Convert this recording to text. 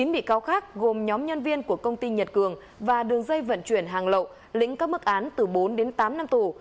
chín bị cáo khác gồm nhóm nhân viên của công ty nhật cường và đường dây vận chuyển hàng lậu lĩnh các mức án từ bốn đến tám năm tù